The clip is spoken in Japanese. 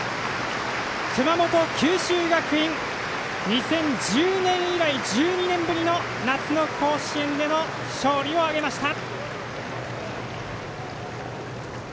熊本、九州学院、２０１０年以来１２年ぶりの夏の甲子園での勝利を挙げました。